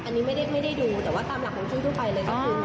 อันนี้ไม่ได้ดูแต่ว่าตามหลักของช่วงทั่วไปเลยก็คือ